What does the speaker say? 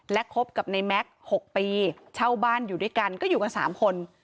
และคบกับในแม็กซ์๖ปีเช่าบ้านอยู่ด้วยกันก็อยู่กัน๓คน